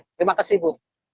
oke terima kasih bu